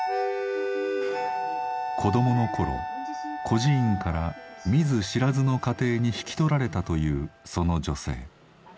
子どもの頃孤児院から見ず知らずの家庭に引き取られたというその女性。